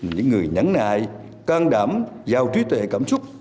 những người nhắn nại can đảm giao trí tệ cảm xúc